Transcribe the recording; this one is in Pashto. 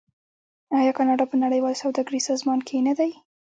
آیا کاناډا په نړیوال سوداګریز سازمان کې نه دی؟